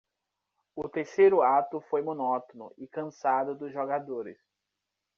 O terceiro ato foi monótono e cansado dos jogadores.